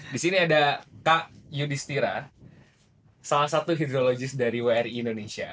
disini ada kak yudhistira salah satu hidrologis dari wri indonesia